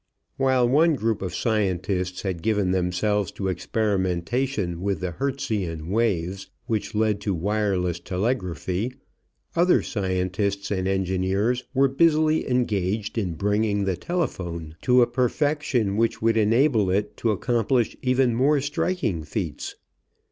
While one group of scientists had given themselves to experimentation with the Hertzian waves which led to wireless telegraphy, other scientists and engineers were busily engaged in bringing the telephone to a perfection which would enable it to accomplish even more striking feats.